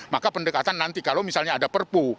maka pendekatan nanti kalau misalnya ada perpu